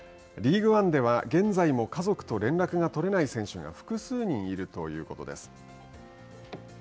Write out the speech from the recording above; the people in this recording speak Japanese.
リーグワンでは、現在も家族と連絡が取れない選手が複数人いるということです。